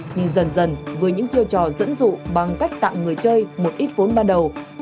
nhưng dần dần với những chiêu trò dẫn dụ bằng cách tặng người chơi một ít vốn ban đầu